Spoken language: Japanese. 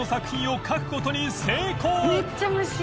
めっちゃ虫。